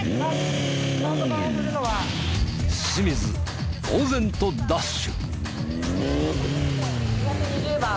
清水猛然とダッシュ。